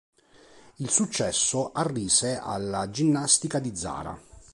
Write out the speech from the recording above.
Il successo arrise alla Ginnastica di Zara.